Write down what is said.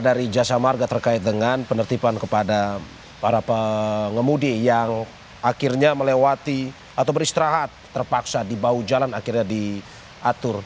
dari jasa marga terkait dengan penertiban kepada para pengemudi yang akhirnya melewati atau beristirahat terpaksa di bahu jalan akhirnya diatur